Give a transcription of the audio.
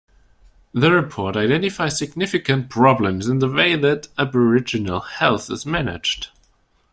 The report identifies significant problems in the way that aboriginal health is managed.